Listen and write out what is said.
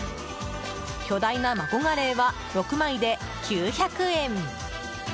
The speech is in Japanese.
巨大なマコガレイは６枚で９００円。